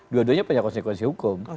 dua duanya punya konsekuensi hukum